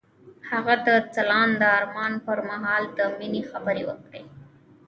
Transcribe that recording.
هغه د ځلانده آرمان پر مهال د مینې خبرې وکړې.